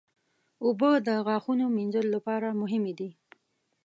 اوبه د غاښونو مینځلو لپاره مهمې دي.